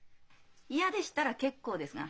嫌でしたら結構ですが。